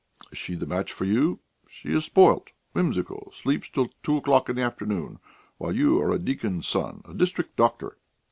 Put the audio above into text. Is she the match for you? She is spoilt, whimsical, sleeps till two o'clock in the afternoon, while you are a deacon's son, a district doctor...."